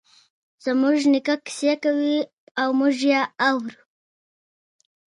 زموږ نیکه کیسې کوی او موږ یی اورو